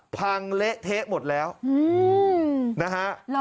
เละเทะหมดแล้วนะฮะ